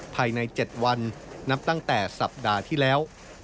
ภายใน๗วันนับตั้งแต่สัปดาห์ที่แล้ว